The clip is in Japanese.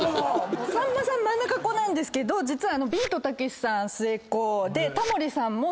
さんまさん真ん中っ子なんですけど実は。